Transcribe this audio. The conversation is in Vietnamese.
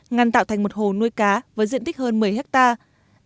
ngăn tạo thành một hồ nuôi cá với diện tích hơn một mươi hectare